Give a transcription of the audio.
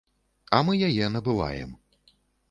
А мы яе набываем.